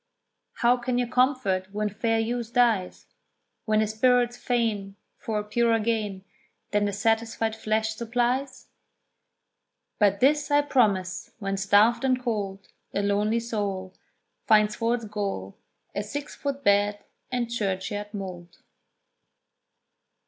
How can you comfort when fair youth dies, When the spirit's fain For a purer gain, Than the satisfied flesh supplies? "But this I promise, when starved and cold A lonely soul Finds for its goal A six foot bed and churchyard mould."